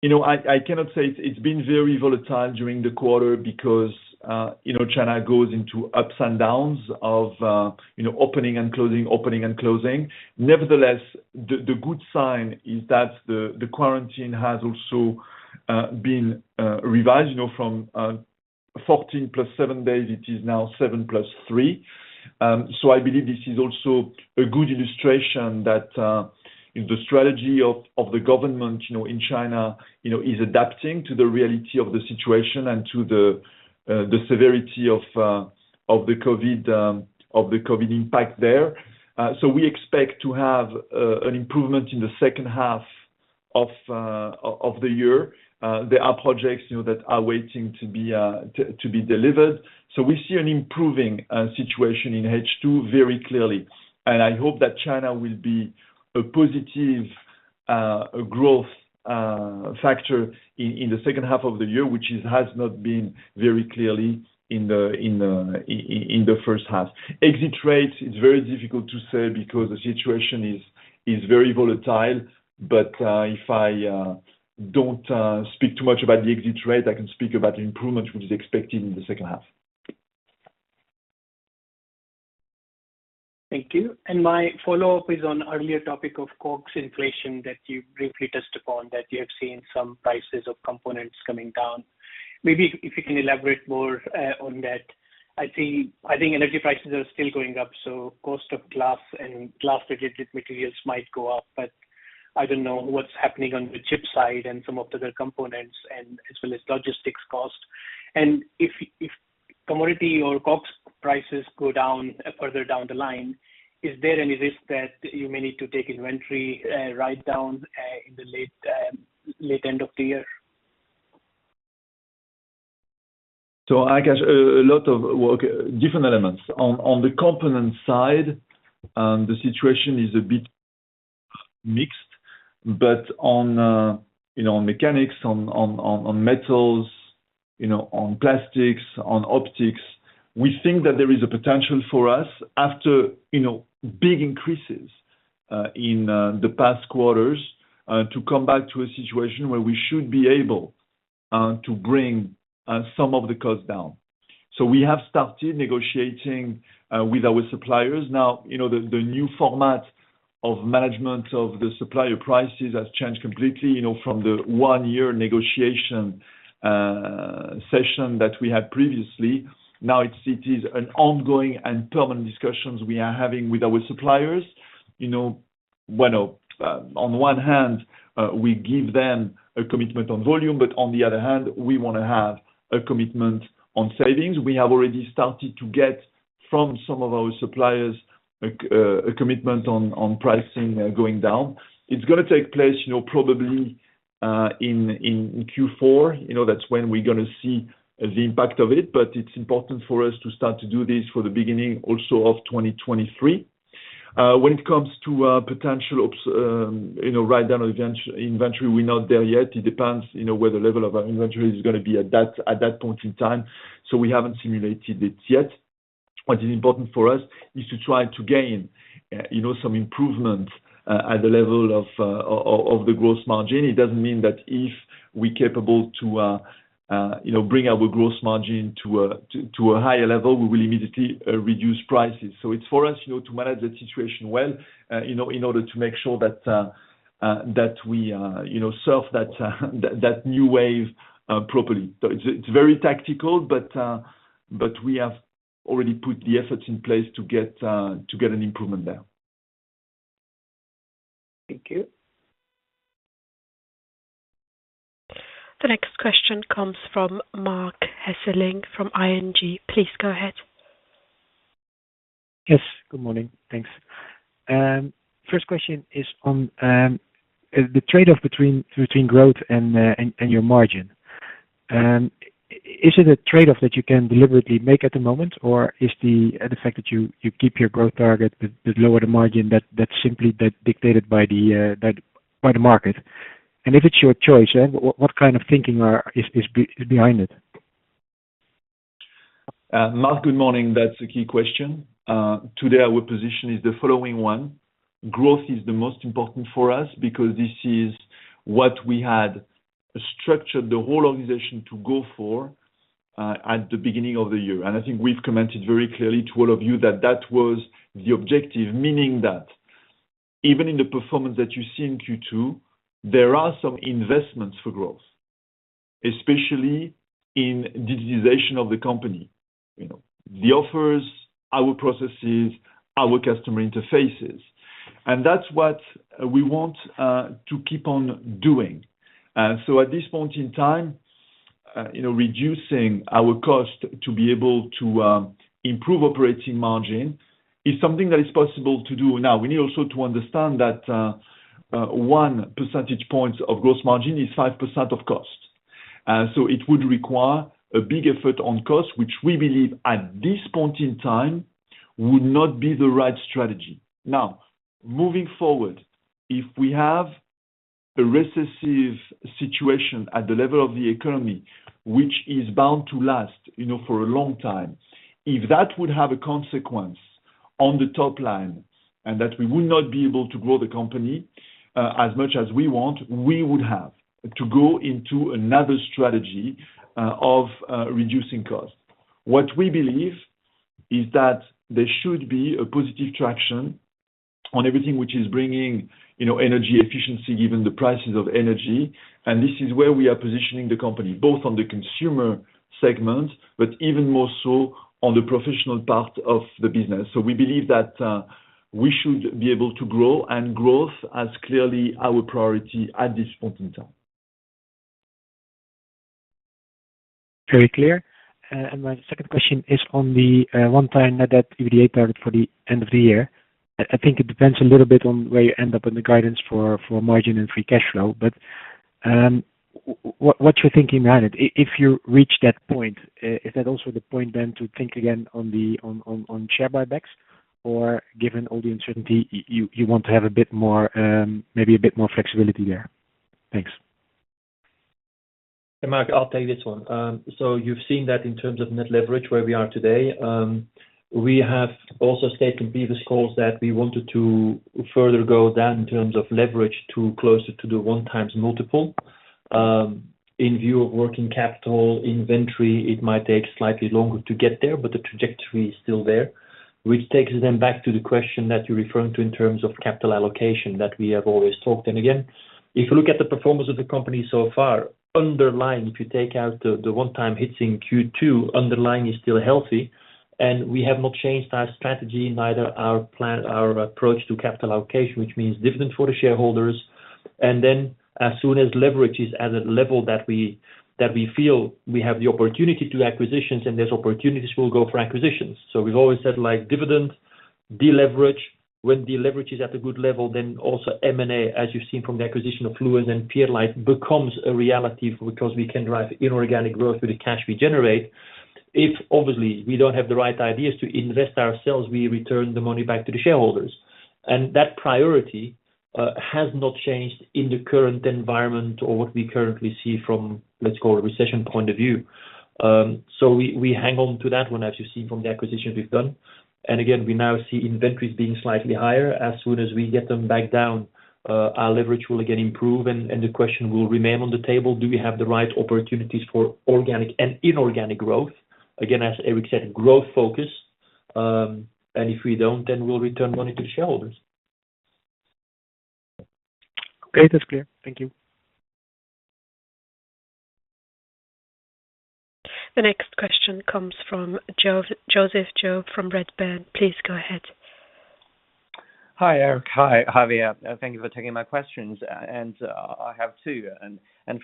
You know, I cannot say it's been very volatile during the quarter because China goes into ups and downs of opening and closing, opening and closing. Nevertheless, the good sign is that the quarantine has also been revised from 14 plus seven days, it is now seven plus three. I believe this is also a good illustration that the strategy of the government in china is adapting to the reality of the situation and to the severity of the COVID impact there. We expect to have an improvement in the second half of the year. There are projects that are waiting to be delivered. We see an improving situation in H2 very clearly. I hope that China will be a positive growth factor in the second half of the year, which has not been very clear in the first half. Exit rates, it's very difficult to say because the situation is very volatile. If I don't speak too much about the exit rate, I can speak about the improvement which is expected in the second half.
Thank you. My follow-up is on earlier topic of COGS inflation that you briefly touched upon, that you have seen some prices of components coming down. Maybe if you can elaborate more, on that. I think energy prices are still going up, so cost of glass and glass-related materials might go up but.
I don't know what's happening on the chip side and some of the other components and as well as logistics cost. If commodity or COGS prices go down further down the line, is there any risk that you may need to take inventory write down in the late end of the year?
I guess a lot of work, different elements. On the component side, the situation is a bit mixed, but on you know on mechanics on metals you know on plastics on optics, we think that there is a potential for us after big increases in the past quarters to come back to a situation where we should be able to bring some of the cost down. We have started negotiating with our suppliers. Now you know the new format of management of the supplier prices has changed completely you know from the one-year negotiation session that we had previously. Now it is an ongoing and permanent discussions we are having with our suppliers. When on one hand we give them a commitment on volume, but on the other hand, we wanna have a commitment on savings. We have already started to get from some of our suppliers a commitment on pricing going down. It's gonna take place probably in q4 that's when we're gonna see the impact of it. But it's important for us to start to do this for the beginning also of 2023. When it comes to potential ops write down inventory, we're not there yet. It depends where the level of our inventory is gonna be at that point in time. We haven't simulated it yet. What is important for us is to try to gain some improvement at the level of the gross margin. It doesn't mean that if we're capable to bring our gross margin to a higher level, we will immediately reduce prices. It's for us to manage that situation well in order to make sure that we surf that new wave properly. It's very tactical, but we have already put the efforts in place to get an improvement there.
Thank you.
The next question comes from Marc Hesselink from ING. Please go ahead.
Yes, good morning. Thanks. First question is on the trade-off between growth and your margin. Is it a trade-off that you can deliberately make at the moment? Or is the fact that you keep your growth target but lower the margin simply dictated by the market? If it's your choice, then what kind of thinking is behind it?
Marc, good morning. That's a key question. Today our position is the following one. Growth is the most important for us because this is what we had structured the whole organization to go for at the beginning of the year. I think we've commented very clearly to all of you that that was the objective. Meaning that even in the performance that you see in Q2, there are some investments for growth, especially in digitization of the company. You know, the offers, our processes, our customer interfaces. That's what we want to keep on doing. At this point in time reducing our cost to be able to improve operating margin is something that is possible to do now. We need also to understand that one percentage point of gross margin is 5% of cost. It would require a big effort on cost, which we believe at this point in time would not be the right strategy. Now, moving forward, if we have a recessionary situation at the level of the economy, which is bound to last for a long time, if that would have a consequence on the top line, and that we would not be able to grow the company, as much as we want, we would have to go into another strategy, of reducing costs. What we believe is that there should be a positive traction on everything which is bringing energy efficiency, given the prices of energy. This is where we are positioning the company, both on the consumer segment, but even more so on the professional part of the business. We believe that we should be able to grow, and growth is clearly our priority at this point in time.
Very clear. My second question is on the one-time net debt EBITA target for the end of the year. I think it depends a little bit on where you end up in the guidance for margin and free cash flow. What's your thinking behind it? If you reach that point, is that also the point then to think again on share buybacks? Given all the uncertainty, you want to have a bit more, maybe a bit more flexibility there? Thanks.
Marc, I'll take this one. You've seen that in terms of net leverage where we are today. We have also stated previous calls that we wanted to further go down in terms of leverage to closer to the 1x multiple. In view of working capital inventory, it might take slightly longer to get there, but the trajectory is still there. Which takes then back to the question that you're referring to in terms of capital allocation that we have always talked. Again, if you look at the performance of the company so far, underlying, if you take out the one-time hits in Q2, underlying is still healthy and we have not changed our strategy, neither our plan, our approach to capital allocation, which means dividend for the shareholders. As soon as leverage is at a level that we feel we have the opportunity to acquisitions and there's opportunities, we'll go for acquisitions. We've always said like dividends, deleverage. When deleverage is at a good level, then also M&A, as you've seen from the acquisition of Fluence and Pierlite, becomes a reality because we can drive inorganic growth with the cash we generate. If obviously we don't have the right ideas to invest ourselves, we return the money back to the shareholders. That priority has not changed in the current environment or what we currently see from, let's call a recession point of view. We hang on to that one, as you've seen from the acquisitions we've done. Again, we now see inventories being slightly higher. As soon as we get them back down, our leverage will again improve and the question will remain on the table, do we have the right opportunities for organic and inorganic growth? Again, as Eric said, growth focus, and if we don't, then we'll return money to the shareholders.
Great. That's clear. Thank you.
The next question comes from Joseph Zhou from Redburn. Please go ahead.
Hi, Eric. Hi, Javier. Thank you for taking my questions. I have two.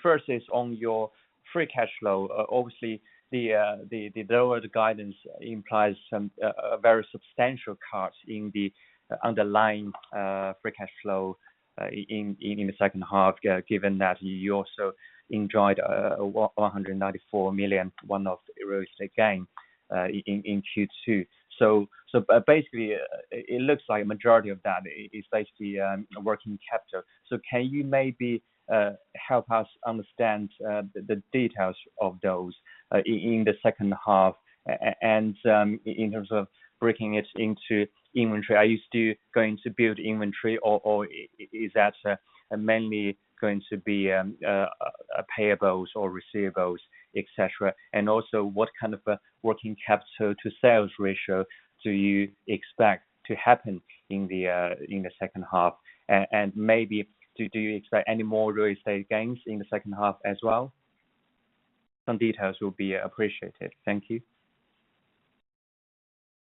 First is on your free cash flow. Obviously, the lower the guidance implies some a very substantial cuts in the underlying free cash flow in the second half, given that you also enjoyed a 194 million one-off real estate gain in Q2. Basically it looks like majority of that is actually working capital. Can you maybe help us understand the details of those in the second half? In terms of breaking it into inventory. Are you still going to build inventory or is that mainly going to be payables or receivables, etc? What kind of a working capital to sales ratio do you expect to happen in the second half? And maybe do you expect any more real estate gains in the second half as well? Some details will be appreciated. Thank you.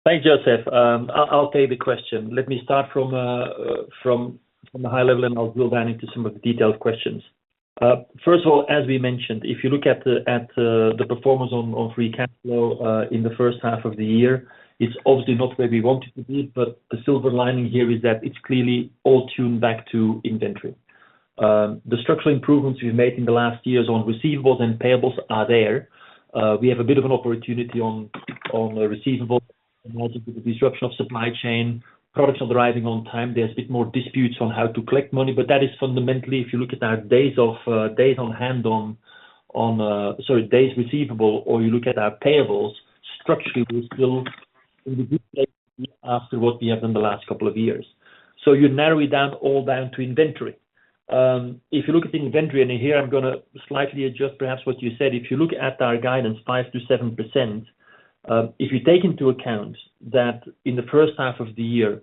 Thanks, Joseph. I'll take the question. Let me start from the high level, and I'll drill down into some of the detailed questions. First of all, as we mentioned, if you look at the performance on free cash flow in the first half of the year, it's obviously not where we wanted to be, but the silver lining here is that it's clearly all tied back to inventory. The structural improvements we've made in the last years on receivables and payables are there. We have a bit of an opportunity on receivables and also the disruption of supply chain. Products are arriving on time. There's a bit more disputes on how to collect money, but that is fundamentally if you look at our days on hand. Sorry, days receivable or if you look at our payables, structurally, we're still in a good place after what we have in the last couple of years. You narrow it down, all down to inventory. If you look at inventory, and here I'm gonna slightly adjust perhaps what you said, if you look at our guidance, 5%-7%, if you take into account that in the first half of the year,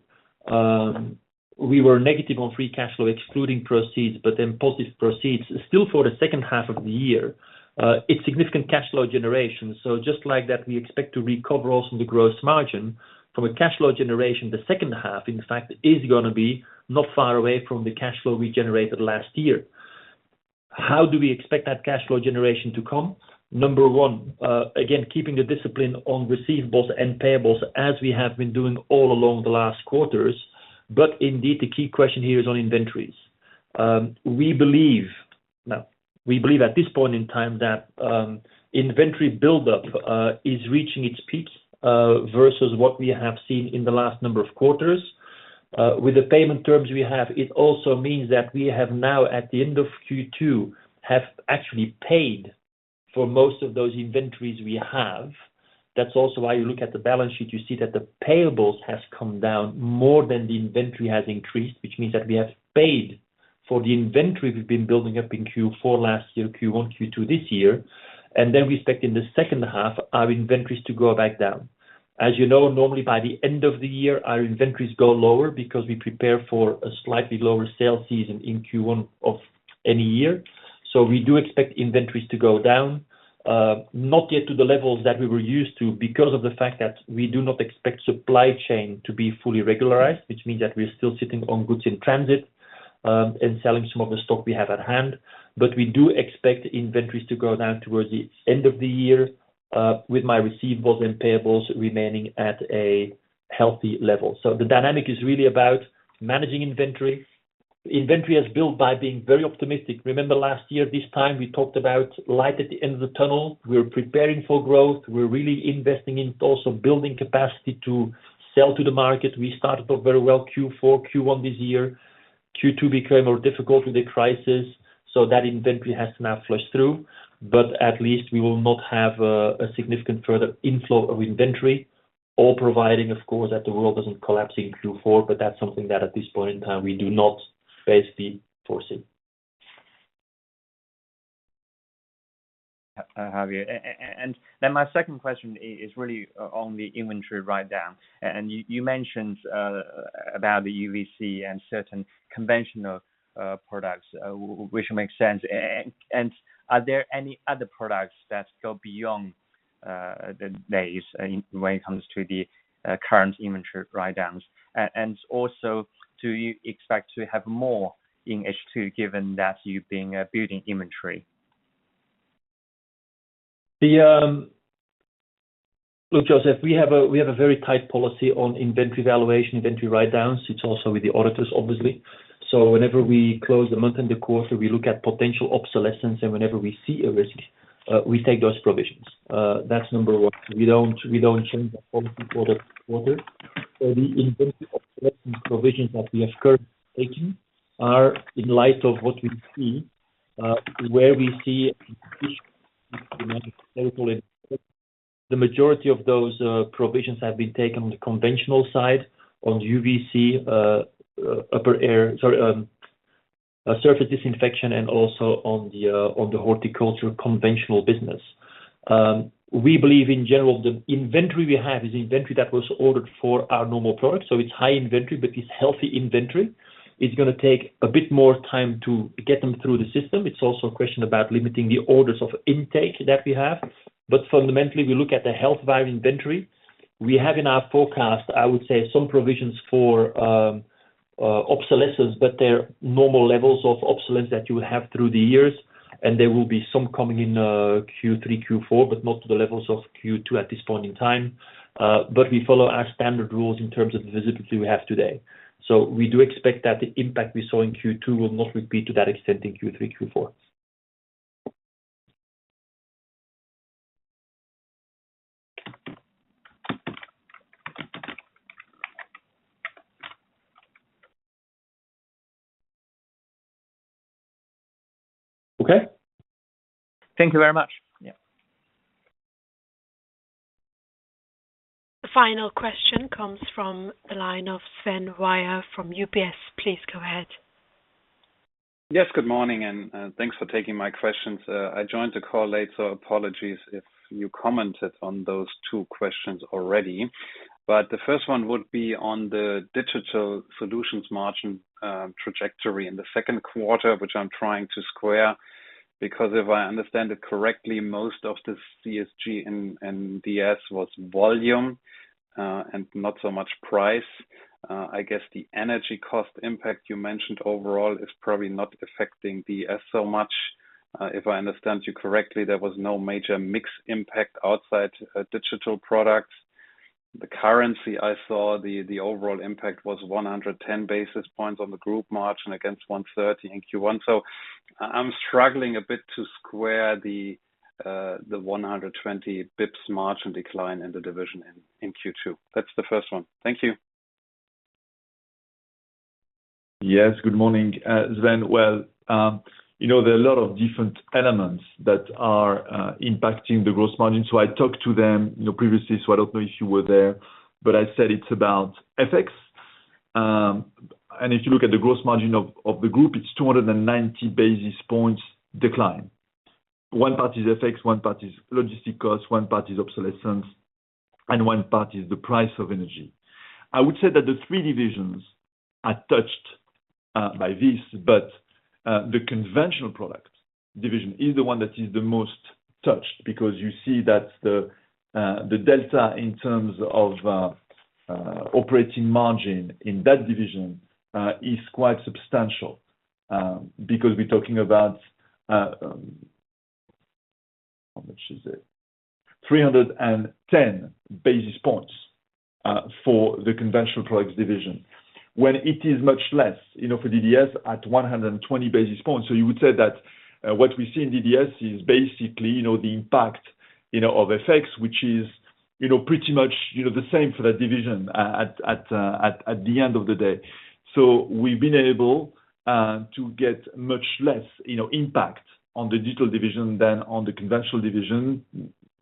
we were negative on free cash flow excluding proceeds, but then positive proceeds still for the second half of the year, it's significant cash flow generation. Just like that, we expect to recover also the gross margin from a cash flow generation. The second half, in fact, is gonna be not far away from the cash flow we generated last year. How do we expect that cash flow generation to come? Number one, again, keeping the discipline on receivables and payables as we have been doing all along the last quarters. Indeed, the key question here is on inventories. We believe at this point in time that inventory buildup is reaching its peaks versus what we have seen in the last number of quarters. With the payment terms we have, it also means that we have now at the end of Q2 actually paid for most of those inventories we have. That's also why you look at the balance sheet, you see that the payables has come down more than the inventory has increased, which means that we have paid for the inventory we've been building up in Q4 last year, Q1, Q2 this year, and then we expect in the second half our inventories to go back down. As you know, normally by the end of the year, our inventories go lower because we prepare for a slightly lower sales season in Q1 of any year. We do expect inventories to go down, not yet to the levels that we were used to because of the fact that we do not expect supply chain to be fully regularized, which means that we're still sitting on goods in transit, and selling some of the stock we have at hand. We do expect inventories to go down towards the end of the year, with my receivables and payables remaining at a healthy level. The dynamic is really about managing inventory. Inventory is built by being very optimistic. Remember last year, this time we talked about light at the end of the tunnel. We're preparing for growth. We're really investing in also building capacity to sell to the market. We started off very well Q4, Q1 this year. Q2 became more difficult with the crisis, so that inventory has now flushed through. At least we will not have a significant further inflow of inventory or providing, of course, that the world doesn't collapse in Q4. That's something that at this point in time, we do not foresee forcing.
Javier, my second question is really on the inventory write-down. You mentioned about the UV-C and certain conventional products, which makes sense. Are there any other products that go beyond when it comes to the current inventory write-downs? Also, do you expect to have more in H2 given that you've been building inventory?
Look, Joseph, we have a very tight policy on inventory valuation, inventory write-downs. It's also with the auditors, obviously. Whenever we close the month and the quarter, we look at potential obsolescence, and whenever we see a risk, we take those provisions. That's number one. We don't change that policy quarter to quarter. The inventory obsolescence provisions that we have currently taken are in light of what we see, where we see efficient. The majority of those provisions have been taken on the conventional side, on UV-C, surface disinfection and also on the horticultural conventional business. We believe in general the inventory we have is inventory that was ordered for our normal products, so it's high inventory, but it's healthy inventory. It's gonna take a bit more time to get them through the system. It's also a question about limiting the order intake that we have. But fundamentally, we look at the health of our inventory. We have in our forecast, I would say, some provisions for obsolescence, but they're normal levels of obsolescence that you would have through the years, and there will be some coming in Q3, Q4, but not to the levels of Q2 at this point in time. We follow our standard rules in terms of the visibility we have today. We do expect that the impact we saw in Q2 will not repeat to that extent in Q3, Q4. Okay?
Thank you very much.
Yeah.
The final question comes from the line of Sven Weier from UBS. Please go ahead.
Yes, good morning, and thanks for taking my questions. I joined the call late, so apologies if you commented on those two questions already. The first one would be on the Digital Solutions margin trajectory in the second quarter, which I'm trying to square. Because if I understand it correctly, most of the CSG and DS was volume, and not so much price. I guess the energy cost impact you mentioned overall is probably not affecting DS so much. If I understand you correctly, there was no major mix impact outside Digital Products. The currency, I saw the overall impact was 110 basis points on the group margin against 130 in Q1. I'm struggling a bit to square the 120 basis points margin decline in the division in Q2. That's the first one. Thank you.
Yes. Good morning, Sven. well there are a lot of different elements that are impacting the gross margin. I talked to them previously, so I don't know if you were there, but I said it's about FX. If you look at the gross margin of the group, it's 290 basis points decline. One part is FX, one part is logistics cost, one part is obsolescence, and one part is the price of energy. I would say that the three divisions are touched by this, but the conventional product division is the one that is the most touched because you see that the delta in terms of operating margin in that division is quite substantial, because we're talking about how much is it? 310 basis points for the conventional products division, when it is much less for DDS at 120 basis points. You would say that what we see in DDS is basically the impact of FX, which is pretty much the same for that division at the end of the day. We've been able to get much less impact on the digital division than on the conventional division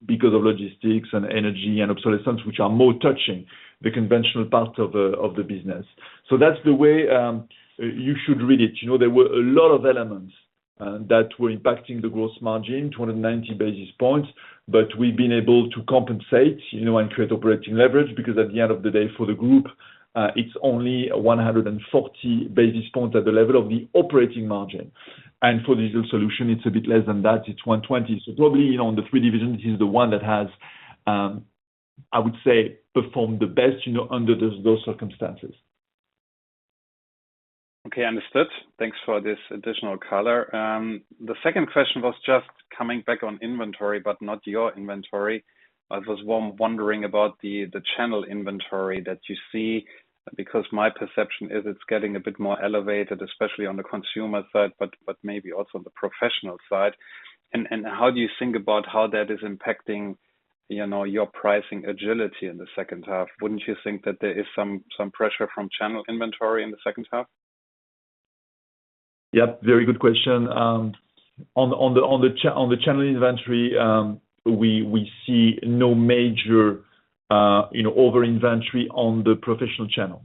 because of logistics and energy and obsolescence, which are more touching the conventional part of the business. That's the way you should read it. You know, there were a lot of elements that were impacting the gross margin, 290 basis points, but we've been able to compensate and create operating leverage because at the end of the day, for the group, it's only 140 basis points at the level of the operating margin. For Digital Solutions, it's a bit less than that. It's 120. probably on the three divisions, this is the one that has, I would say, performed the best under those circumstances.
Okay. Understood. Thanks for this additional color. The second question was just coming back on inventory, but not your inventory. I was wondering about the channel inventory that you see, because my perception is it's getting a bit more elevated, especially on the consumer side, but maybe also on the professional side. How do you think about how that is impacting your pricing agility in the second half? Wouldn't you think that there is some pressure from channel inventory in the second half?
Yeah, very good question. On the channel inventory, we see no major over-inventory on the professional channel.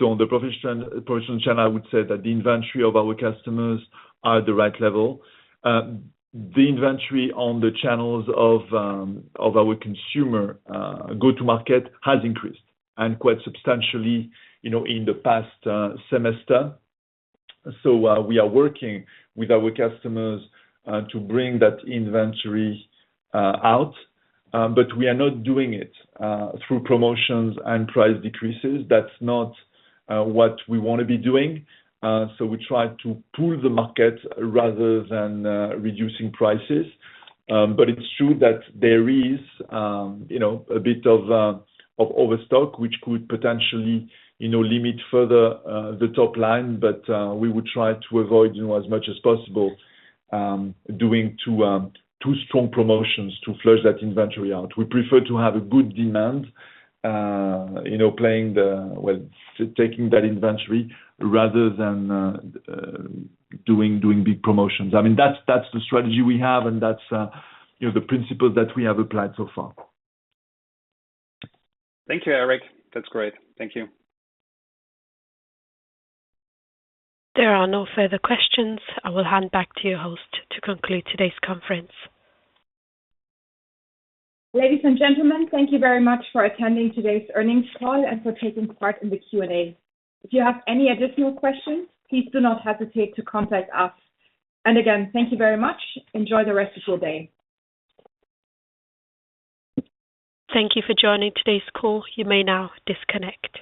On the professional channel, I would say that the inventory of our customers are at the right level. The inventory on the channels of our consumer go-to market has increased and quite substantially in the past semester. We are working with our customers to bring that inventory out, but we are not doing it through promotions and price decreases. That's not what we wanna be doing. We try to pull the market rather than reducing prices. It's true that there is a bit of overstock, which could potentially limit further the top line, but we would try to avoid as much as possible, doing too strong promotions to flush that inventory out. We prefer to have a good demand well, taking that inventory rather than doing big promotions. I mean, that's the strategy we have, and that's the principle that we have applied so far.
Thank you, Eric. That's great. Thank you.
There are no further questions. I will hand back to your host to conclude today's conference.
Ladies and gentlemen, thank you very much for attending today's earnings call and for taking part in the Q&A. If you have any additional questions, please do not hesitate to contact us. Again, thank you very much. Enjoy the rest of your day.
Thank you for joining today's call. You may now disconnect.